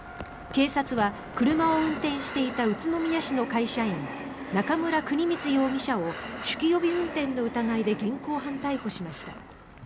警察は車を運転していた宇都宮市の会社員中村邦光容疑者を酒気帯び運転の疑いで現行犯逮捕しました。